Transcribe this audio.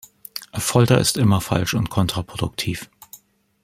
Folter ist immer falsch und kontraproduktiv.